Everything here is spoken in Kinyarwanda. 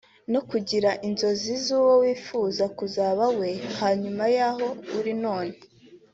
no kugira inzozi z’uwo wifuza kuzaba we hanyuma yaho uri none